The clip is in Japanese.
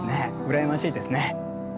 羨ましいですね。